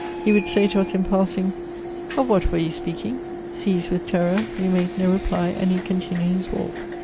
He would say to us in passing, ." Of what were you speaking ?'* Seized with terror, we made no reply, and he continued his walk.